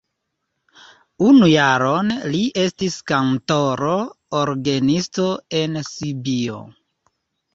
Unu jaron li estis kantoro orgenisto en Sibio.